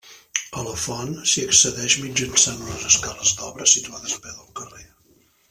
A la font s'hi accedeix mitjançant unes escales d'obra, situades a peu del carrer.